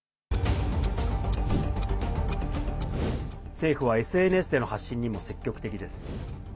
政府はＳＮＳでの発信にも積極的です。